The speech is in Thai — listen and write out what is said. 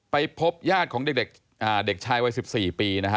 ไปพบญาติของเด็กชายวัย๑๔ปีนะฮะ